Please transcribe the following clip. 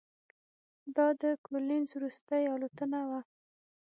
دا د کولینز وروستۍ الوتنه وه.